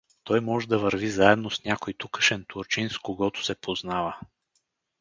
— Той може да върви заедно с някой тукашен турчин, с когото се познава.